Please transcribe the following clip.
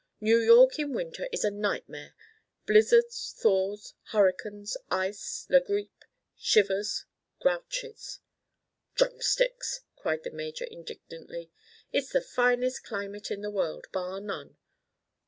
"New York in winter is a nightmare. Blizzards, thaws, hurricanes, ice, la grippe, shivers—grouches." "Drumsticks!" cried the major indignantly. "It's the finest climate in the world—bar none.